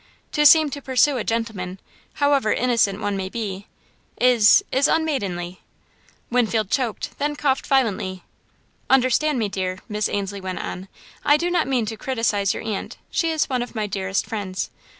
To seem to pursue a gentleman, however innocent one may be, is is unmaidenly." Winfield choked, then coughed violently. "Understand me, dear," Miss Ainslie went on, "I do not mean to criticise your aunt she is one of my dearest friends.